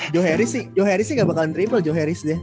joe harris sih joe harris nya ga bakalan dribble joe harris dia